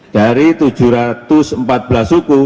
dari tujuh ratus empat belas suku